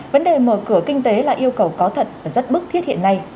vấn đề mở cửa kinh tế là yêu cầu có thật và rất bức thiết hiện nay